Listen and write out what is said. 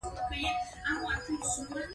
دداسې خلک کور او خونه چلولای شي.